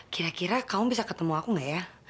kira kira kamu bisa ketemu aku nggak ya